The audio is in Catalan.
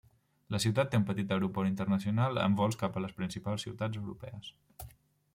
La ciutat té un petit aeroport internacional amb vols cap a les principals ciutats europees.